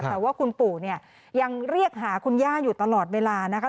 แต่ว่าคุณปู่เนี่ยยังเรียกหาคุณย่าอยู่ตลอดเวลานะคะ